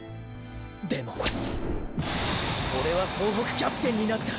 でもオレは総北キャプテンになった。